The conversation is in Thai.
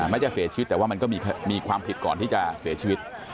แม้จะเสียชีวิตแต่ว่ามันก็มีความผิดก่อนที่จะเสียชีวิต